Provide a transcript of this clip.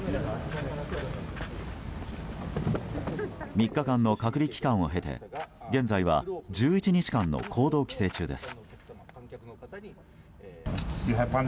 ３日間の隔離期間を経て現在は１１日間の行動規制中です。